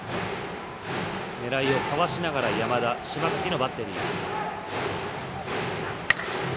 狙いを交わしながら山田と島瀧のバッテリー。